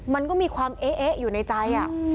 มันก็มีความเอ๊ะอยู่ในใจ